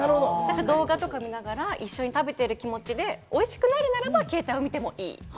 動画とか見ながら一緒に食べている気持ちでおいしくなるならば、携帯を見てもいい。